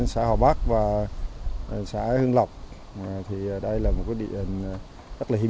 xã hòa bắc và xã hương lộc thì đây là một địa hình rất là hiếm